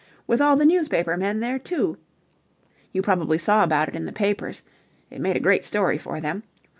With all the newspaper men there too! You probably saw about it in the papers. It made a great story for them.